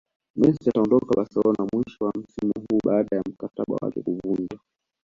Messi ataondoka Barcelona mwishoni mwa msimu huu baada ya mkataba wake kuvunjwa